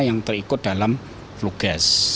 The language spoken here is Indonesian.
yang terikut dalam flu gas